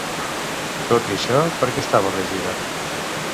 Tot i això, per què estava regida?